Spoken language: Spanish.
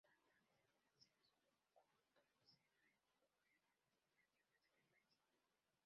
La nave central se acortó y se redujeron las dimensiones de la iglesia.